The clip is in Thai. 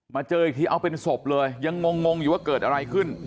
เจออีกทีเอาเป็นศพเลยยังงงอยู่ว่าเกิดอะไรขึ้น